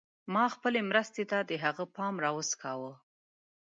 ما خپلې مرستې ته د هغه پام راوڅکاوه.